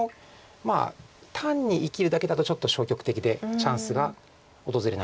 まあ単に生きるだけだとちょっと消極的でチャンスが訪れないだろうと。